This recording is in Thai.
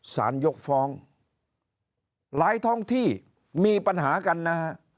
สารยกฟ้องหลายท้องที่มีปัญหากันนะฮะ